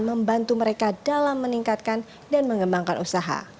membantu mereka dalam meningkatkan dan mengembangkan usaha